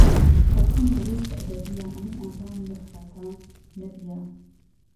قهستەم بهوهی که ئهبهدییه ئەمن ئاگام له خراپه نبيه